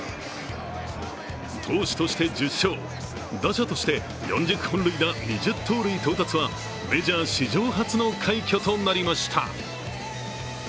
投手として１０勝、打者として４０本塁打、２０盗塁達成はメジャー史上初の快挙となりました。